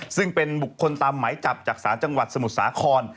ซึ่งเป็นบุคคลตามหมายจับจากศาลจังหวัดสมุทรสาคร